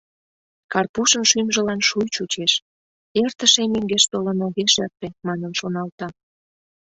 Карпушын шӱмжылан шуй чучеш: «эртыше мӧҥгеш толын огеш эрте» манын шоналта...